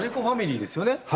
ファミリーですよね？